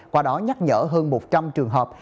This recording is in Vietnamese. qua đó nhắc nhở hơn một trăm linh trường hợp